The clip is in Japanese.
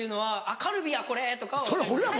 「あっカルビやこれ」とかは。